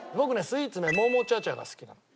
スイーツねモーモーチャーチャーが好きなの。